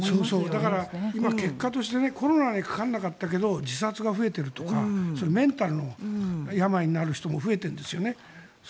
だから、今結果としてコロナにかからなかったけど自殺が増えたとかメンタルの病になる人も増えているんですよね。